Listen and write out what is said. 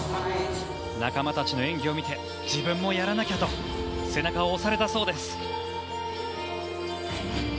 仲間たちの演技を見て自分もやらなきゃと背中を押されたそうです。